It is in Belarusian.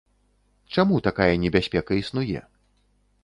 Чаму такая небяспека існуе?